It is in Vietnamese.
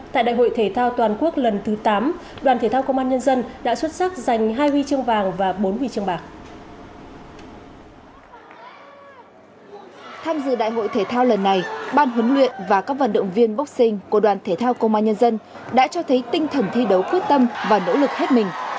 tham dự đại hội thể thao lần này ban huấn luyện và các vận động viên boxing của đoàn thể thao công an nhân dân đã cho thấy tinh thần thi đấu quyết tâm và nỗ lực hết mình